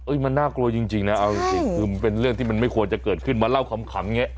มันน่ากลัวจริงนะเอาจริงคือเป็นเรื่องที่มันไม่ควรจะเกิดขึ้นมาเล่าขำอย่างนี้